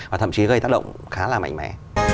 và thậm chí gây tác động khá là mạnh mẽ